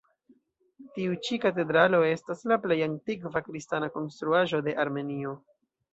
Tiu ĉi katedralo estas la plej antikva kristana konstruaĵo de Armenio.